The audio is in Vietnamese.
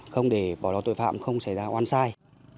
không để bỏ lọt tội phạm không xảy ra oan sai